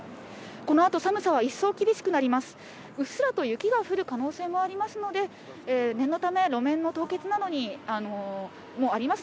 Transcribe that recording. このあと、寒さは一層厳しくなります。